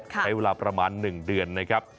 ใช้เวลาประมาณ๑เดือนนะครับ